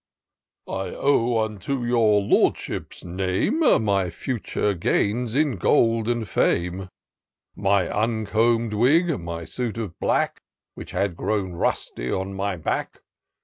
279 " I owe unto your Lordship's name My future gains in gold and fame. My uncomb'd wig, — ^my suit of black, Which had grown rusty on my back.